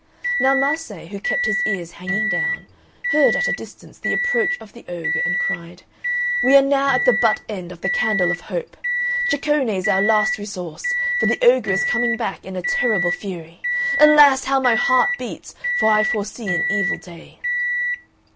Now Mase, who kept his ears hanging down, heard at a distance the approach of the ogre and cried, "We are now at the butt end of the Candle of Hope. Ceccone is our last resource, for the ogre is coming back in a terrible fury. Alas! how my heart beats, for I foresee an evil day."